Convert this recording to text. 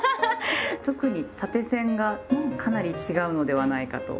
特に縦線がかなり違うのではないかと。